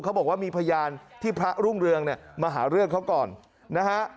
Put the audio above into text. เขาบอกว่ามีพยานที่พระรุ่งเรืองเนี่ยมาหาเรื่องเขาก่อนนะฮะ